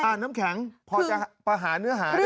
อ่านน้ำแข็งพอจะหาเนื้อหาได้ไหม